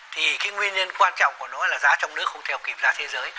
thì cái nguyên nhân quan trọng của nó là giá trong nước không theo kịp giá thế giới